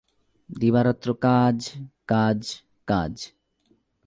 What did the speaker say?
দিবারাত্র কাজ, কাজ, কাজ।